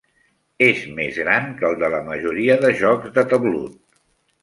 És més gran que el de la majoria de jocs de tablut.